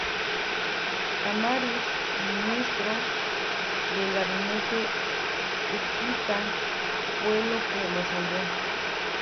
Tamariz, ministro del Gabinete Huertista fue lo que lo salvó.